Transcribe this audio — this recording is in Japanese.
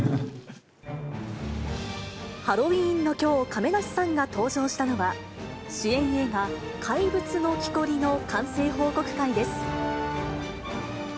ハロウィーンのきょう、亀梨さんが登場したのは、主演映画、怪物の木こりの完成報告会です。